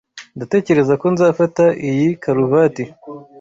Ndatekereza ko nzafata iyi karuvati.